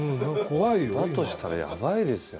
だとしたらヤバいですよ。